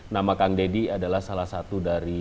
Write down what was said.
nama kang deddy adalah salah satu dari